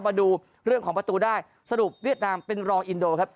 มาดูเรื่องของประตูได้สรุปเวียดนามเป็นรองอินโดครับ